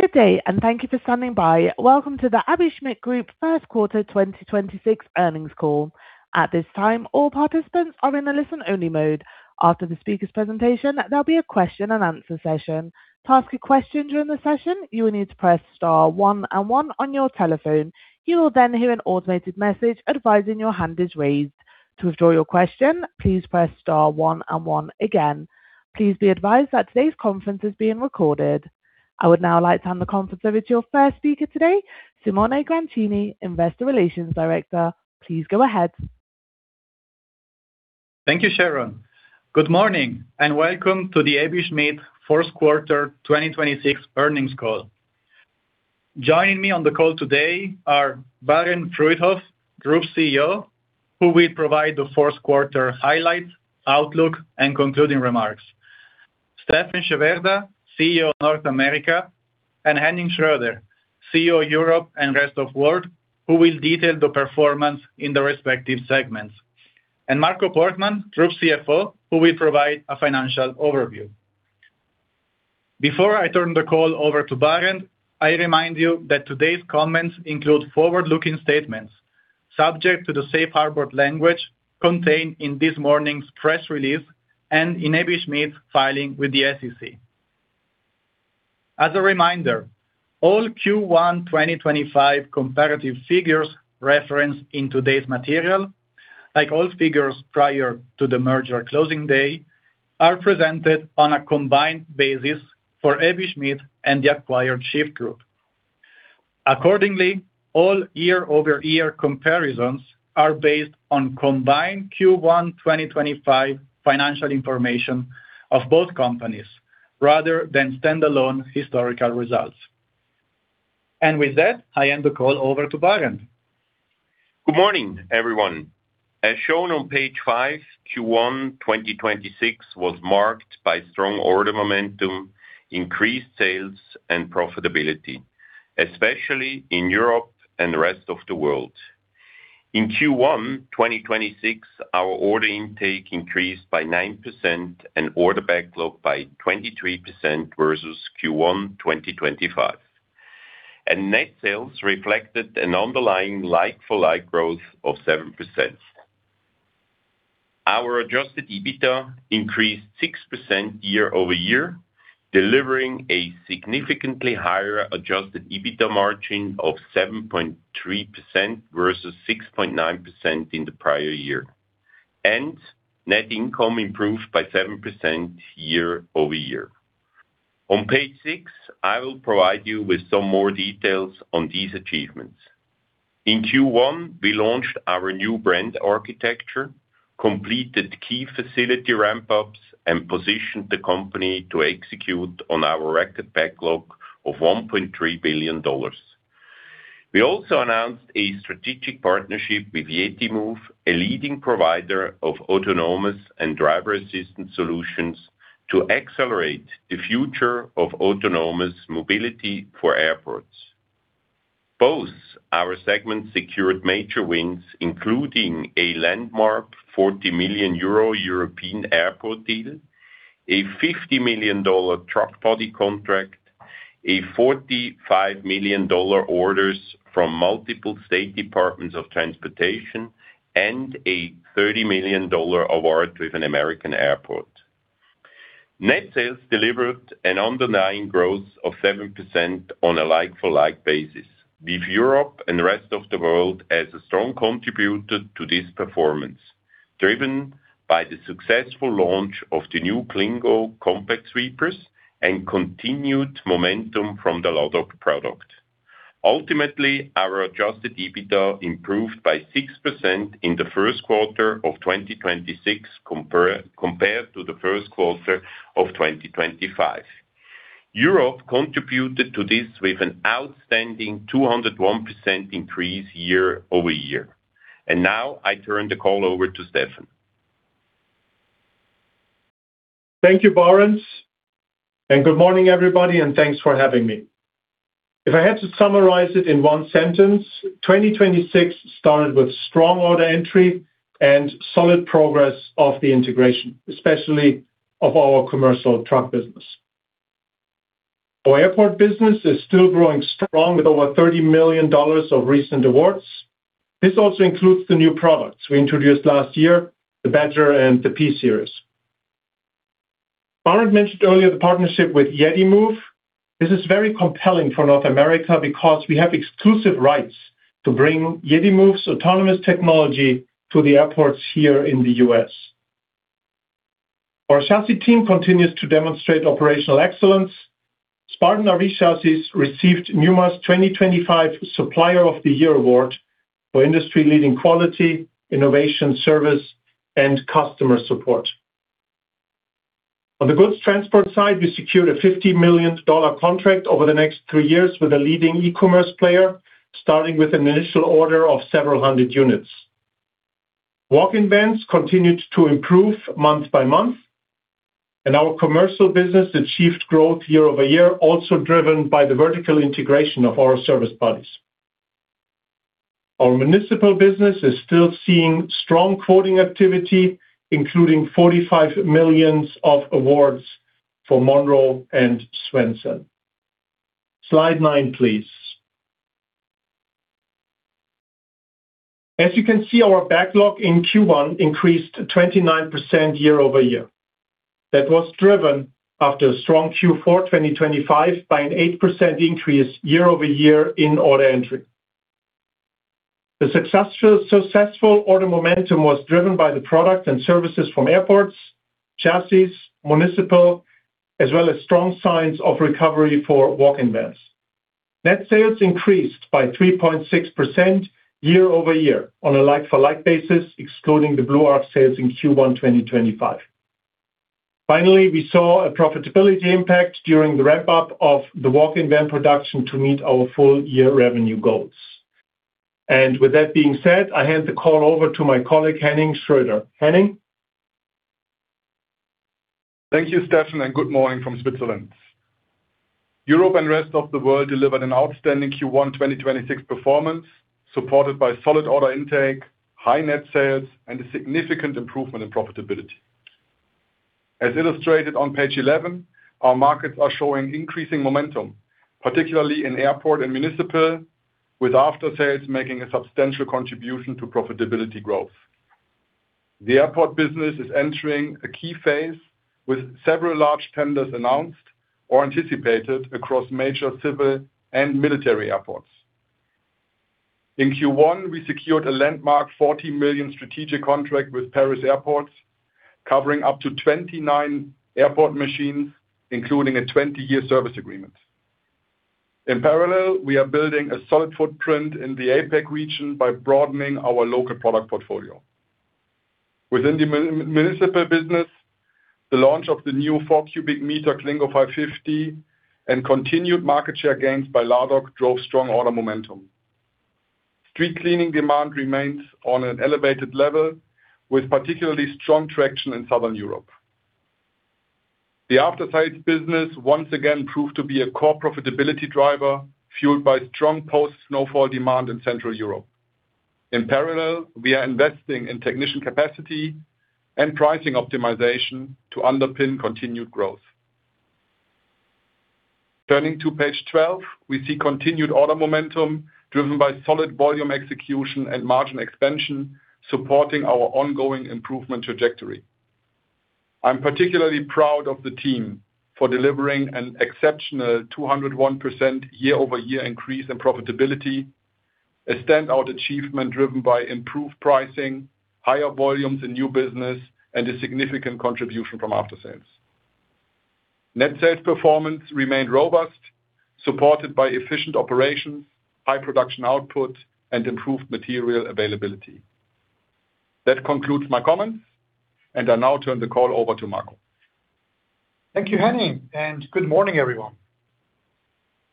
Good day, thank you for standing by. Welcome to the Aebi Schmidt Group Q1 2026 earnings call. I would now like to hand the conference over to your first speaker today, Simone Grancini, Investor Relations Director. Please go ahead. Thank you, Sharon. Good morning, and welcome to the Aebi Schmidt Q1 2026 earnings call. Joining me on the call today are Barend Fruithof, Group CEO, who will provide the Q1 highlights, outlook, and concluding remarks. Steffen Schewerda, CEO of North America, and Henning Schröder, CEO of Europe and Rest of World, who will detail the performance in the respective segments. Marco Portmann, Group CFO, who will provide a financial overview. Before I turn the call over to Barend, I remind you that today's comments include forward-looking statements subject to the safe harbor language contained in this morning's press release and in Aebi Schmidt's filing with the SEC. As a reminder, all Q1 2025 comparative figures referenced in today's material, like all figures prior to the merger closing day, are presented on a combined basis for Aebi Schmidt and the acquired Shyft Group. Accordingly, all year-over-year comparisons are based on combined Q1 2025 financial information of both companies rather than standalone historical results. With that, I hand the call over to Barend. Good morning, everyone. As shown on page 5, Q1 2026 was marked by strong order momentum, increased sales, and profitability, especially in Europe and the rest of the world. In Q1 2026, our order intake increased by 9% and order backlog by 23% versus Q1 2025. Net sales reflected an underlying like-for-like growth of 7%. Our adjusted EBITDA increased 6% year-over-year, delivering a significantly higher adjusted EBITDA margin of 7.3% versus 6.9% in the prior year. Net income improved by 7% year-over-year. On page 6, I will provide you with some more details on these achievements. In Q1, we launched our new brand architecture, completed key facility ramp-ups, and positioned the company to execute on our record backlog of $1.3 billion. We also announced a strategic partnership with Yeti Move, a leading provider of autonomous and driver assistance solutions to accelerate the future of autonomous mobility for airports. Both our segments secured major wins, including a landmark 40 million euro European airport deal, a $50 million truck body contract, a $45 million orders from multiple state departments of transportation, and a $30 million award with an American airport. Net sales delivered an underlying growth of 7% on a like-for-like basis, with Europe and the rest of the world as a strong contributor to this performance, driven by the successful launch of the new eCleango compact sweepers and continued momentum from the LADOG product. Ultimately, our adjusted EBITDA improved by 6% in the Q1 of 2026 compared to the Q1 of 2025. Europe contributed to this with an outstanding 201% increase year-over-year. Now I turn the call over to Steffen. Thank you, Barend. Good morning, everybody, and thanks for having me. If I had to summarize it in one sentence, 2026 started with strong order entry and solid progress of the integration, especially of our commercial truck business. Our airport business is still growing strong with over $30 million of recent awards. This also includes the new products we introduced last year, the Badger and the P-Series. Barend mentioned earlier the partnership with Yeti Move. This is very compelling for North America because we have exclusive rights to bring Yeti Move's autonomous technology to the airports here in the U.S. Our chassis team continues to demonstrate operational excellence. Spartan RV Chassis received Newmar's 2025 Supplier of the Year award for industry-leading quality, innovation, service, and customer support. On the goods transport side, we secured a $50 million contract over the next three years with a leading e-commerce player, starting with an initial order of several 100 units. Walk-in vans continued to improve month-by-month, our commercial business achieved growth year-over-year, also driven by the vertical integration of our service bodies. Our municipal business is still seeing strong quoting activity, including 45 million of awards for Monroe and Swenson. Slide 9, please. As you can see, our backlog in Q1 increased 29% year-over-year. That was driven after a strong Q4 2025 by an 8% increase year-over-year in order entry. The successful order momentum was driven by the product and services from airports, chassis, municipal, as well as strong signs of recovery for walk-in vans. Net sales increased by 3.6% year-over-year on a like-for-like basis, excluding the Blue Arc sales in Q1 2025. Finally, we saw a profitability impact during the ramp-up of the walk-in van production to meet our full-year revenue goals. With that being said, I hand the call over to my colleague, Henning Schröder. Henning. Thank you, Steffen, and good morning from Switzerland. Europe and rest of the world delivered an outstanding Q1 2026 performance, supported by solid order intake, high net sales, and a significant improvement in profitability. As illustrated on page 11, our markets are showing increasing momentum, particularly in airport and municipal, with aftersales making a substantial contribution to profitability growth. The airport business is entering a key phase with several large tenders announced or anticipated across major civil and military airports. In Q1, we secured a landmark 40 million strategic contract with Paris Airport, covering up to 29 airport machines, including a 20-year service agreement. In parallel, we are building a solid footprint in the APAC region by broadening our local product portfolio. Within the municipal business, the launch of the new 4 cu m eCleango 550 and continued market share gains by Ladog drove strong order momentum. Street cleaning demand remains on an elevated level, with particularly strong traction in Southern Europe. The aftersales business once again proved to be a core profitability driver, fueled by strong post-snowfall demand in Central Europe. In parallel, we are investing in technician capacity and pricing optimization to underpin continued growth. Turning to page 12, we see continued order momentum driven by solid volume execution and margin expansion, supporting our ongoing improvement trajectory. I'm particularly proud of the team for delivering an exceptional 201% year-over-year increase in profitability, a standout achievement driven by improved pricing, higher volumes in new business, and a significant contribution from aftersales. Net sales performance remained robust, supported by efficient operations, high production output, and improved material availability. That concludes my comments, and I now turn the call over to Marco. Thank you, Henning, and good morning, everyone.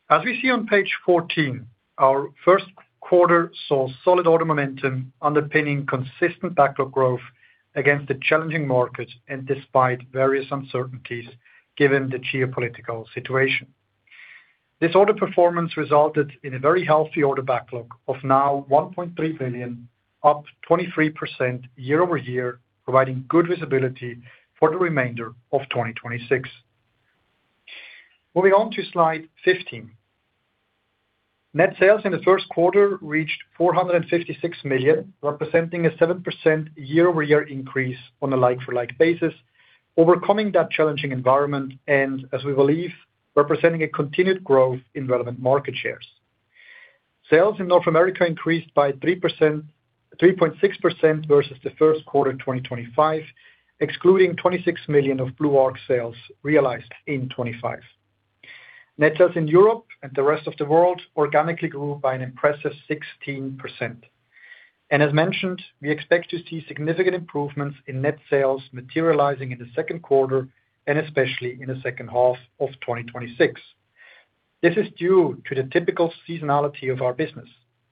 As we see on page 14, our Q1 saw solid order momentum underpinning consistent backlog growth against the challenging markets and despite various uncertainties given the geopolitical situation. This order performance resulted in a very healthy order backlog of now 1.3 billion, up 23% year-over-year, providing good visibility for the remainder of 2026. Moving on to slide 15. Net sales in the Q1 reached 456 million, representing a 7% year-over-year increase on a like-for-like basis, overcoming that challenging environment and, as we believe, representing a continued growth in relevant market shares. Sales in North America increased by 3.6% versus the Q1 2025, excluding 26 million of BlueArc sales realized in 2025. Net sales in Europe and the rest of the world organically grew by an impressive 16%. As mentioned, we expect to see significant improvements in net sales materializing in the Q2 and especially in the H2 of 2026. This is due to the typical seasonality of our business.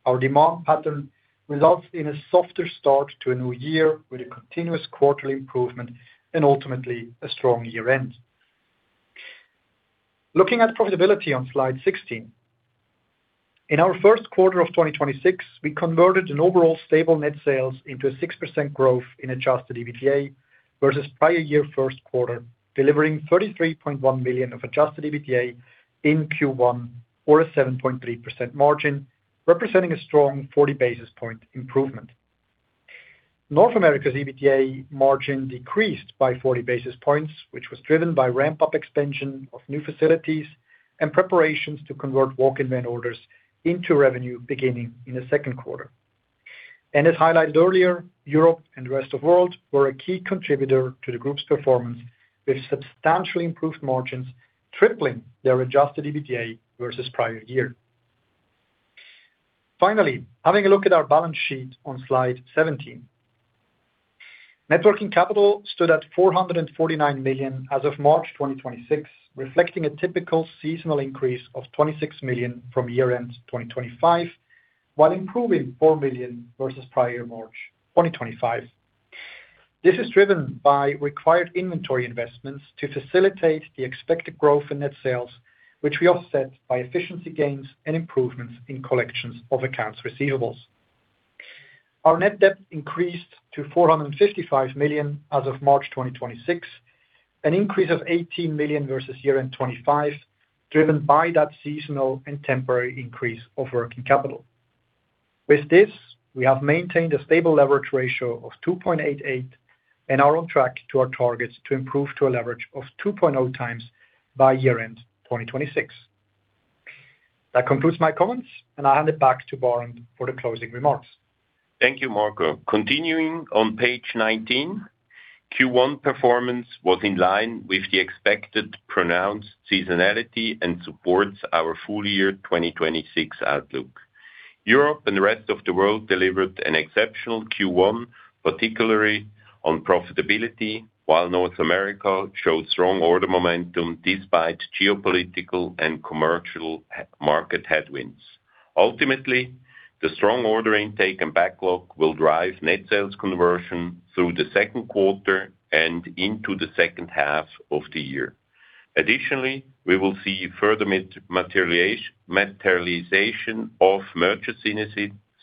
Our demand pattern results in a softer start to a new year with a continuous quarterly improvement and ultimately a strong year-end. Looking at profitability on slide 16. In our Q1 of 2026, we converted an overall stable net sales into a 6% growth in adjusted EBITDA versus prior year Q1, delivering 33.1 million of adjusted EBITDA in Q1 or a 7.3% margin, representing a strong 40 basis point improvement. North America's EBITDA margin decreased by 40 basis points, which was driven by ramp-up expansion of new facilities and preparations to convert walk-in van orders into revenue beginning in the Q2. As highlighted earlier, Europe and the rest of world were a key contributor to the group's performance with substantially improved margins, tripling their adjusted EBITDA versus prior year. Finally, having a look at our balance sheet on slide 17. Net working capital stood at 449 million as of March 2026, reflecting a typical seasonal increase of 26 million from year-end 2025, while improving 4 million versus prior March 2025. This is driven by required inventory investments to facilitate the expected growth in net sales, which we offset by efficiency gains and improvements in collections of accounts receivables. Our net debt increased to 455 million as of March 2026, an increase of 18 million versus year-end 2025, driven by that seasonal and temporary increase of working capital. With this, we have maintained a stable leverage ratio of 2.88 and are on track to our targets to improve to a leverage of 2.0x by year-end 2026. That concludes my comments, and I'll hand it back to Barend for the closing remarks. Thank you, Marco. Continuing on page 19, Q1 performance was in line with the expected pronounced seasonality and supports our full year 2026 outlook. Europe and the rest of the world delivered an exceptional Q1, particularly on profitability, while North America showed strong order momentum despite geopolitical and commercial market headwinds. The strong order intake and backlog will drive net sales conversion through the Q2 and into the H2 of the year. We will see further materialization of merger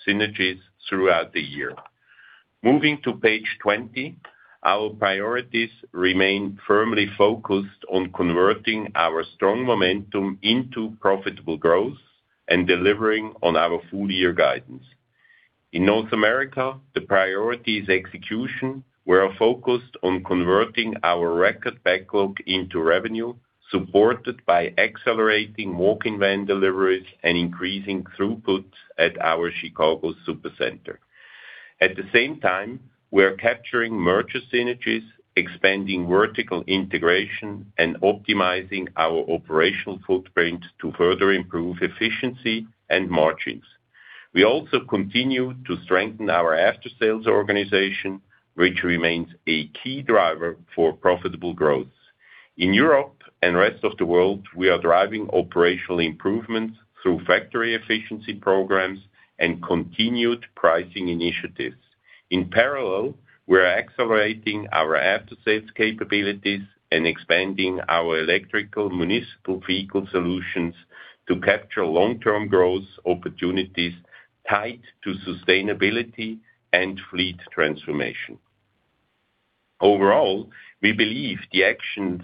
synergies throughout the year. Moving to page 20, our priorities remain firmly focused on converting our strong momentum into profitable growth and delivering on our full year guidance. In North America, the priority is execution. We are focused on converting our record backlog into revenue, supported by accelerating walk-in van deliveries and increasing throughput at our Chicago super center. At the same time, we are capturing merger synergies, expanding vertical integration, and optimizing our operational footprint to further improve efficiency and margins. We also continue to strengthen our after-sales organization, which remains a key driver for profitable growth. In Europe and rest of the world, we are driving operational improvements through factory efficiency programs and continued pricing initiatives. In parallel, we're accelerating our after-sales capabilities and expanding our electrical municipal vehicle solutions to capture long-term growth opportunities tied to sustainability and fleet transformation. Overall, we believe the actions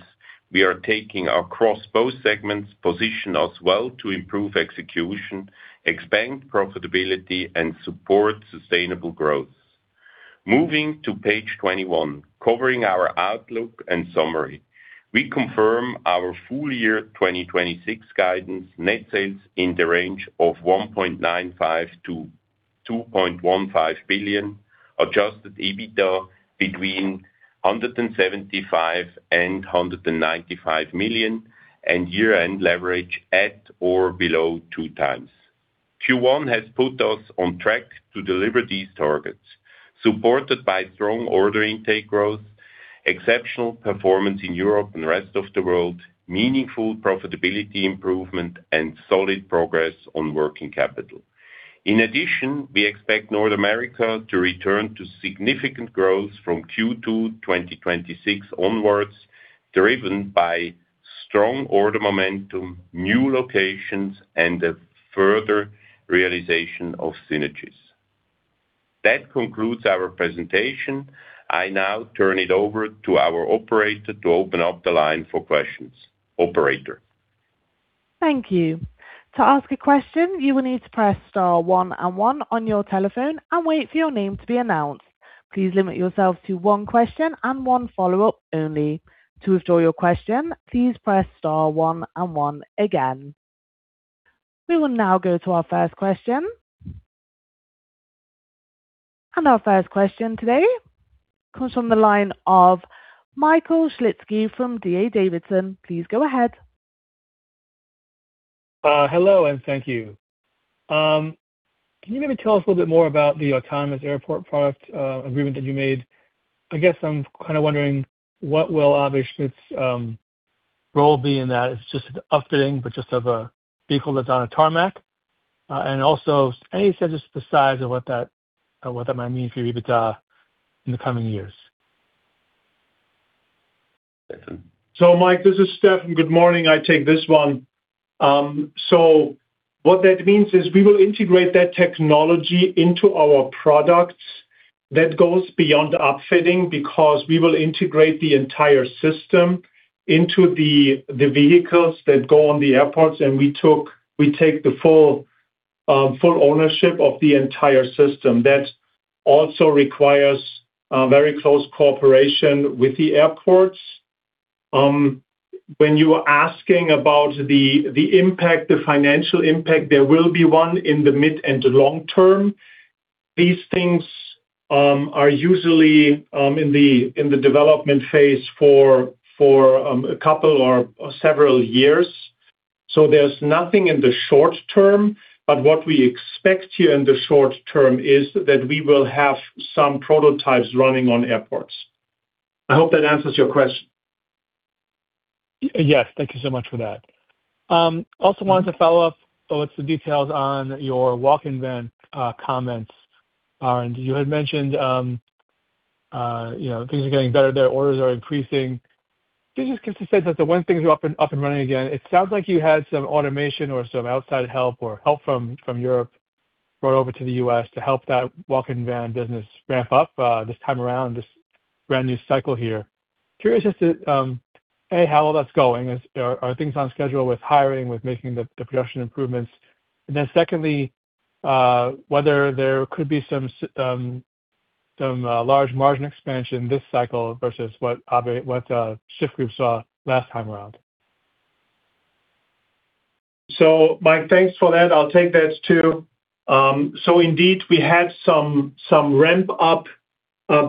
we are taking across both segments position us well to improve execution, expand profitability, and support sustainable growth. Moving to page 21, covering our outlook and summary. We confirm our full year 2026 guidance net sales in the range of 1.95 billion-2.15 billion, adjusted EBITDA between 175 million and 195 million, and year-end leverage at or below 2x. Q1 has put us on track to deliver these targets, supported by strong order intake growth, exceptional performance in Europe and Rest of World, meaningful profitability improvement, and solid progress on working capital. In addition, we expect North America to return to significant growth from Q2 2026 onwards, driven by strong order momentum, new locations, and the further realization of synergies. That concludes our presentation. I now turn it over to our operator to open up the line for questions. Operator. Thank you. To ask a question, you will need to press star one and one on your telephone and wait for your name to be announced. Please limit yourself to one question and one follow-up only. To withdraw your question, please press star one and one again. We will now go to our first question. Our first question today comes from the line of Michael Shlisky from D.A. Davidson. Please go ahead. Hello, and thank you. Can you maybe tell us a little bit more about the autonomous airport product agreement that you made? I guess I'm kinda wondering what will Aebi Schmidt's role be in that. It's just upfitting, but just of a vehicle that's on a tarmac. And also any sense of the size of what that, what that might mean for your EBITDA in the coming years? Mike, this is Steffen. Good morning. I take this one. What that means is we will integrate that technology into our products. That goes beyond upfitting because we will integrate the entire system into the vehicles that go on the airports, and we take the full ownership of the entire system. That also requires very close cooperation with the airports. When you are asking about the impact, the financial impact, there will be one in the mid and the long term. These things are usually in the development phase for a couple or several years. There's nothing in the short term, but what we expect here in the short term is that we will have some prototypes running on airports. I hope that answers your question. Yes. Thank you so much for that. Also wanted to follow up with the details on your walk-in van comments, Barend. You had mentioned, you know, things are getting better there, orders are increasing. Just interested that when things are up and running again, it sounds like you had some automation or some outside help or help from Europe brought over to the U.S. to help that walk-in van business ramp up this time around, this brand-new cycle here. Curious as to A, how all that's going. Are things on schedule with hiring, with making the production improvements? Secondly, whether there could be some large margin expansion this cycle versus what The Shyft Group saw last time around. Michael, thanks for that. I'll take that too. Indeed, we had some ramp-up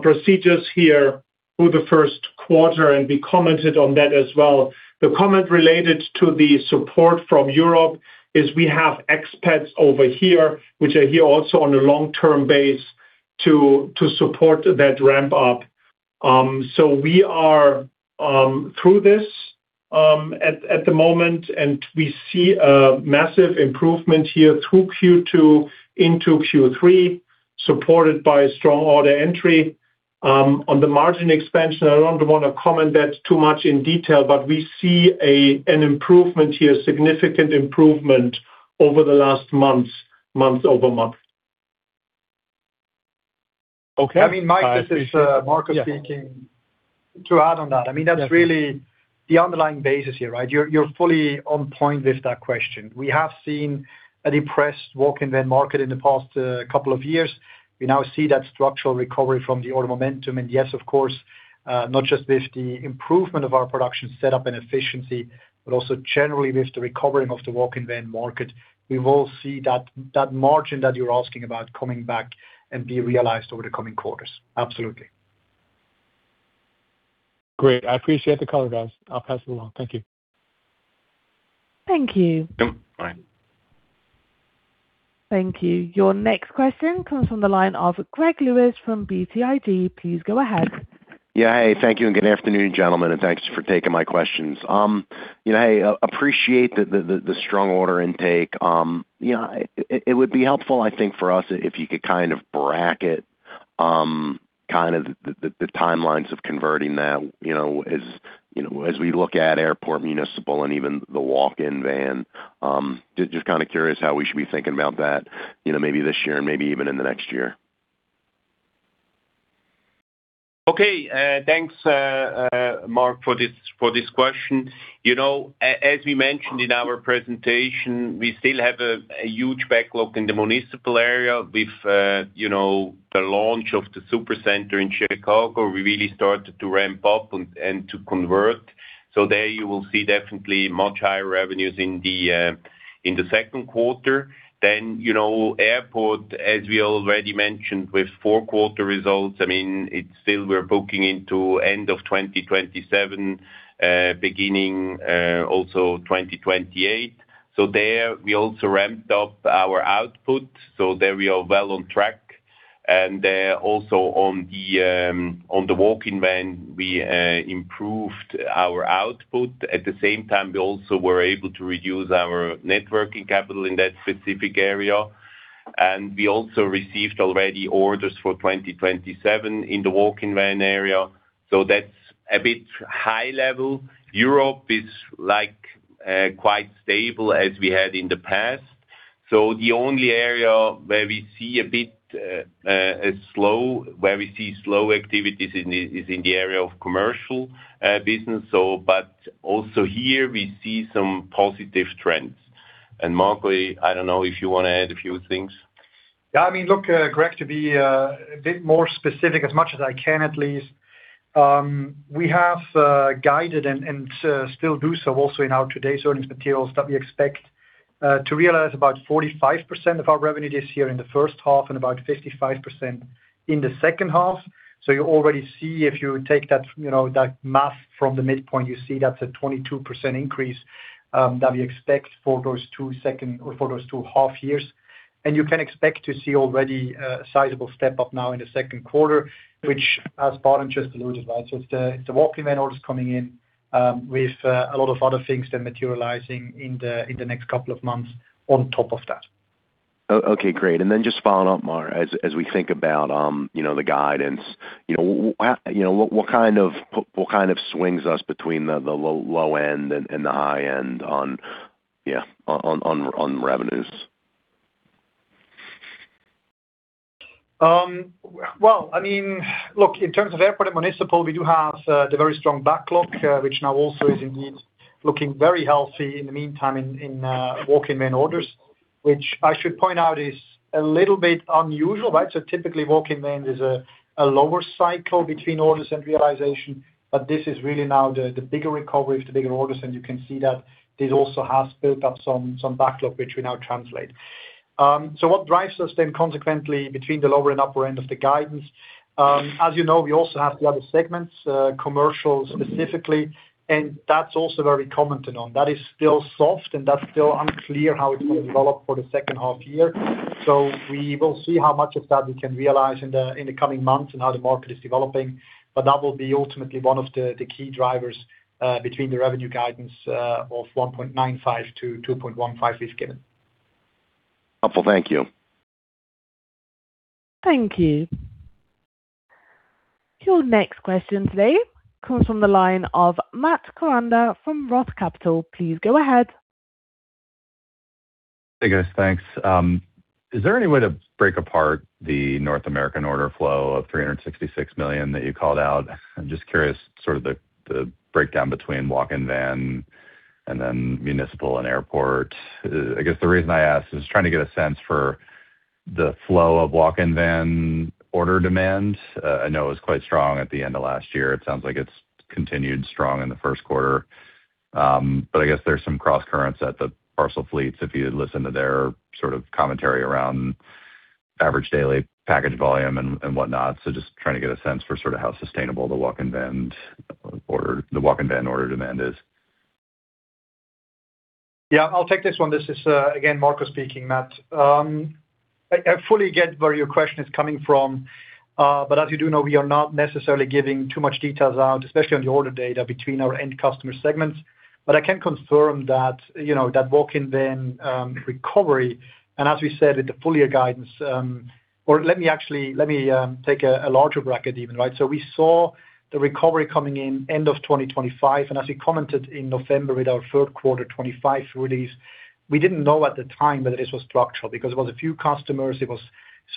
procedures here through the Q1, and we commented on that as well. The comment related to the support from Europe is we have expats over here, which are here also on a long-term base to support that ramp up. We are through this at the moment, and we see a massive improvement here through Q2 into Q3, supported by strong order entry. On the margin expansion, I don't want to comment that too much in detail, but we see an improvement here, significant improvement over the last months, month-over-month. Okay. I mean, Mike, this is. Yeah. Marco Portmann speaking. To add on that. Yeah. I mean, that's really the underlying basis here, right? You're fully on point with that question. We have seen a depressed walk-in van market in the past couple of years. We now see that structural recovery from the order momentum. Yes, of course, not just with the improvement of our production setup and efficiency, but also generally with the recovering of the walk-in van market. We will see that margin that you're asking about coming back and be realized over the coming quarters. Absolutely. Great. I appreciate the color, guys. I'll pass it along. Thank you. Thank you. Yep, bye. Thank you. Your next question comes from the line of Gregory Lewis from BTIG. Please go ahead. Yeah. Hey, thank you, and good afternoon, gentlemen. Thanks for taking my questions. You know, hey, appreciate the strong order intake. You know, it would be helpful, I think for us if you could kind of bracket kind of the timelines of converting that, you know, as we look at airport municipal and even the walk-in van. Just kinda curious how we should be thinking about that, you know, maybe this year and maybe even in the next year. Thanks, Greg, for this question. You know, as we mentioned in our presentation, we still have a huge backlog in the municipal area with, you know, the launch of the supercenter in Chicago. We really started to ramp up and to convert. There you will see definitely much higher revenues in the Q2. You know, airport, as we already mentioned with Q4 results, I mean, it's still we're booking into end of 2027, beginning, also 2028. There we also ramped up our output, there we are well on track. Also on the walk-in van, we improved our output. At the same time, we also were able to reduce our net working capital in that specific area. We also received already orders for 2027 in the walk-in van area, so that's a bit high level. Europe is like, quite stable as we had in the past. The only area where we see slow activities is in the area of commercial business. Also here we see some positive trends. Marco, I don't know if you want to add a few things Yeah, I mean, look, Greg, to be a bit more specific, as much as I can at least, we have guided and still do so also in our today's earnings materials that we expect to realize about 45% of our revenue this year in the H1 and about 55% in the H2. You already see if you take that, you know, that math from the midpoint, you see that's a 22% increase that we expect for those two half years. You can expect to see already a sizable step-up now in the Q2, which as Barend just alluded, right? It's the walk-in van orders coming in with a lot of other things then materializing in the next couple of months on top of that. Okay, great. Just following up, Marco, as we think about, you know, the guidance, you know, what kind of, what kind of swings us between the low end and the high end on revenues? Well, I mean, look, in terms of airport and municipal, we do have the very strong backlog, which now also is indeed looking very healthy in the meantime in walk-in van orders, which I should point out is a little bit unusual, right? Typically, walk-in van is a lower cycle between orders and realization, but this is really now the bigger recovery with the bigger orders. You can see that this also has built up some backlog, which we now translate. What drives us then consequently between the lower and upper end of the guidance, as you know, we also have the other segments, commercial specifically, and that's also very commented on. That is still soft, and that's still unclear how it will develop for the H2 year. We will see how much of that we can realize in the, in the coming months and how the market is developing. That will be ultimately one of the key drivers between the revenue guidance of 1.95-2.15 we've given. Helpful. Thank you. Thank you. Your next question today comes from the line of Matt Koranda from ROTH Capital Partners. Please go ahead. Hey, guys. Thanks. Is there any way to break apart the North American order flow of 366 million that you called out? I'm just curious sort of the breakdown between walk-in van and then municipal and airport. I guess the reason I ask is trying to get a sense for the flow of walk-in van order demand. I know it was quite strong at the end of last year. It sounds like it's continued strong in the Q1. I guess there's some crosscurrents at the parcel fleets if you listen to their sort of commentary around average daily package volume and whatnot. Just trying to get a sense for sort of how sustainable the walk-in van order demand is. Yeah, I'll take this one. This is again, Marco speaking, Matt. I fully get where your question is coming from, as you do know, we are not necessarily giving too much details out, especially on the order data between our end customer segments. I can confirm that, you know, that walk-in van recovery, as we said at the full year guidance. Let me actually take a larger bracket even, right? We saw the recovery coming in end of 2025, as we commented in November with our Q3 2025 release, we didn't know at the time that this was structural because it was a few customers, it was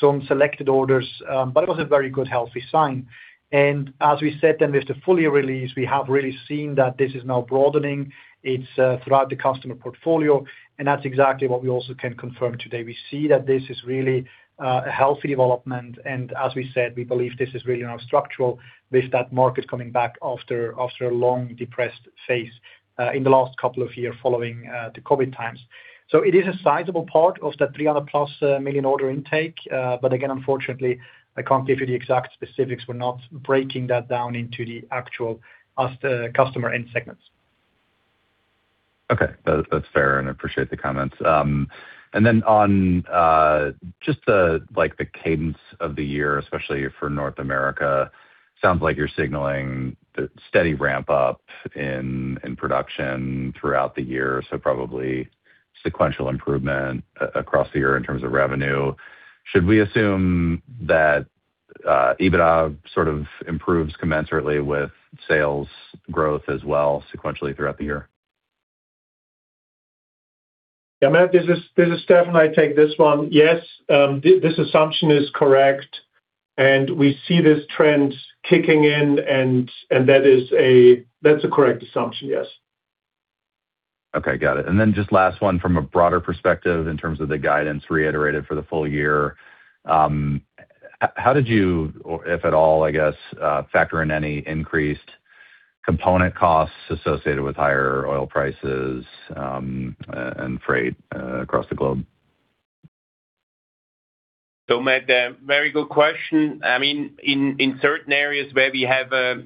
some selected orders, it was a very good healthy sign. As we said then with the full year release, we have really seen that this is now broadening. It's throughout the customer portfolio, and that's exactly what we also can confirm today. We see that this is really a healthy development. As we said, we believe this is really now structural with that market coming back after a long depressed phase in the last couple of years following the COVID times. It is a sizable part of that 300+ million order intake. Again, unfortunately, I can't give you the exact specifics. We're not breaking that down into the actual customer end segments. Okay. That's fair, and I appreciate the comments. Then on just the cadence of the year, especially for North America, sounds like you're signaling the steady ramp up in production throughout the year. Probably sequential improvement across the year in terms of revenue. Should we assume that EBITDA sort of improves commensurately with sales growth as well sequentially throughout the year? Yeah. Matt, this is Steffen. I take this one. Yes, this assumption is correct, and we see this trend kicking in and that's a correct assumption, yes. Okay, got it. Just last one from a broader perspective in terms of the guidance reiterated for the full year. How did you, or if at all, I guess, factor in any increased component costs associated with higher oil prices, and freight across the globe? Matt, a very good question. I mean, in certain areas where we have a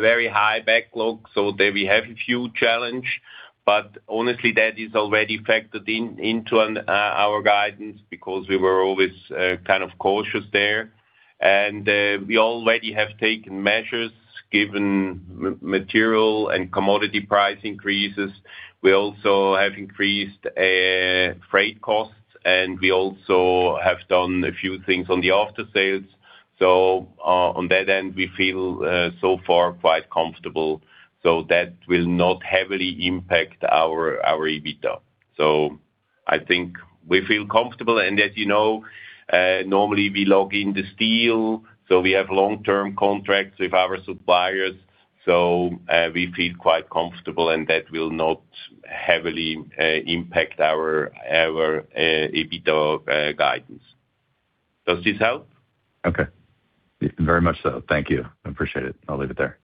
very high backlog, there we have a few challenge, but honestly that is already factored in into our guidance because we were always kind of cautious there. We already have taken measures given material and commodity price increases. We also have increased freight costs, and we also have done a few things on the after-sales. On that end, we feel so far quite comfortable. That will not heavily impact our EBITDA. I think we feel comfortable. As you know, normally we log in the steel, we have long-term contracts with our suppliers. We feel quite comfortable and that will not heavily impact our EBITDA guidance. Does this help? Okay. Very much so. Thank you. I appreciate it. I'll leave it there.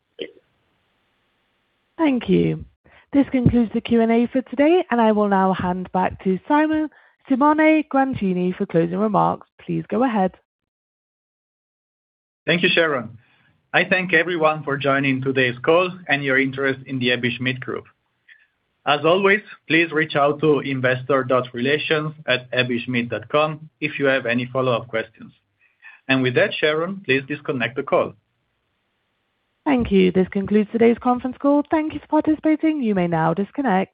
Thank you. This concludes the Q&A for today, and I will now hand back to Simone Grancini for closing remarks. Please go ahead. Thank you, Sharon. I thank everyone for joining today's call and your interest in the Aebi Schmidt Group. As always, please reach out to investor.relations@aebi-schmidt.com if you have any follow-up questions. With that, Sharon, please disconnect the call. Thank you. This concludes today's conference call. Thank you for participating. You may now disconnect.